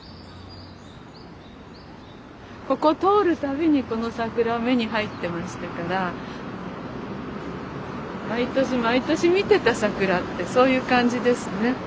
ここを通る度にこの桜は目に入ってましたから毎年毎年見てた桜ってそういう感じですね。